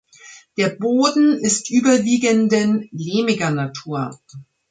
Der Boden ist überwiegenden lehmiger Natur.